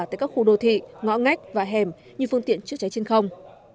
tại các khu đô thị ngõ ngách và hẻm như phương tiện chữa cháy trên không